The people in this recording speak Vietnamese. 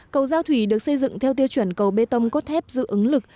cầu giao thủy được xây dựng theo tiêu chuẩn cầu bê tông cốt thép giữ ứng lực